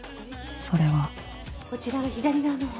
それはこちらの左側の方。